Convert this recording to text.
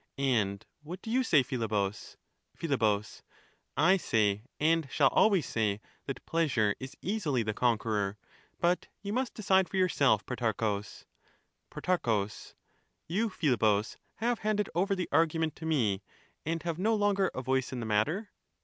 And what do you say, Philebus ? Phi. I say, and shall always say, that pleasure is easily the conqueror ; but you must decide for yourself, Protarchus. Pro. You, Philebus, have handed over the argument to me, and have no longer a voice in the matter